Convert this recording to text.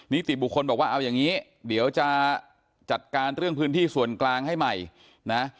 นิติบุคคลบอกว่าเอาอย่างนี้เดี๋ยวจะจัดการเรื่องพื้นที่ส่วนกลางให้ใหม่นะ